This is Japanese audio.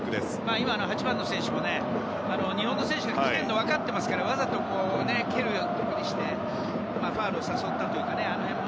今、８番の選手も日本の選手が来ているの分かっていましたけどわざと蹴るふりをしてファウルを誘ったというか。